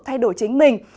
thay đổi chính mình